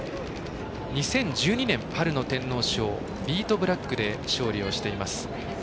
２０１２年、春の天皇賞ビートブラックで勝利をしています。